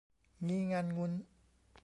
งี้งั้นงุ้น